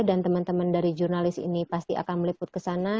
dan teman teman dari jurnalis ini pasti akan meliput ke sana